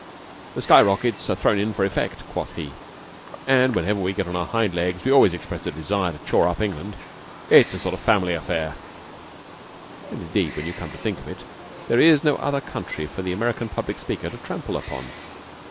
"The sky rockets are thrown in for effect," quoth he, "and whenever we get on our hind legs we always express a desire to chaw up England. It's a sort of family affair." And, indeed, when you come to think of it, there is no other country for the American public speaker to trample upon.